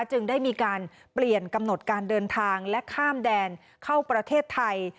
จึงได้มีการเปลี่ยนกำหนดการเดินทางและข้ามแดนเข้าประเทศไทย